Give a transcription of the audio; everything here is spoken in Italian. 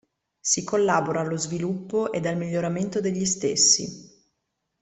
Si collabora allo sviluppo ed al miglioramento degli stessi.